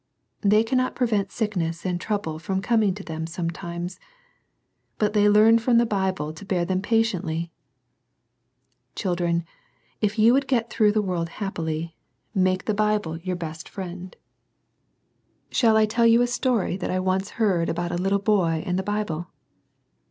They cannot prevent sicknesj and trouble coming to them sometimes. Bu they learn from the Bible to bear them patiently Children, if you would get through the work happily, make the Bible yo\M b^^l felaiwL NO MORE CRYING. 79 Shall I tell you a story that I once heard about a little boy and the Bible?